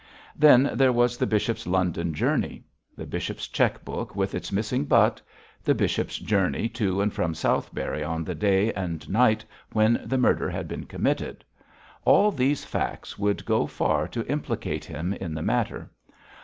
Then there was the bishop's London journey; the bishop's cheque book with its missing butt; the bishop's journey to and from Southberry on the day and night when the murder had been committed; all these facts would go far to implicate him in the matter.